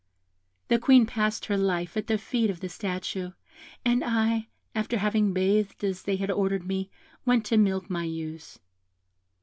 "The Queen passed her life at the feet of the statue, and I, after having bathed as they had ordered me, went to milk my ewes.